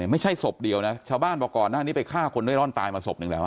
ไม่ใช่ศพเดียวนะชาวบ้านบอกก่อนหน้านี้ไปฆ่าคนเร่ร่อนตายมาศพหนึ่งแล้ว